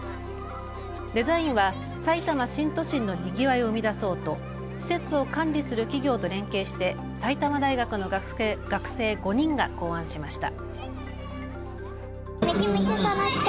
デザインはさいたま新都心のにぎわいを生み出そうと施設を管理する企業と連携して埼玉大学の学生５人が考案しました。